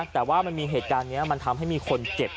แต่ว่ามันมีเหตุการณ์นี้มันทำให้มีคนเจ็บ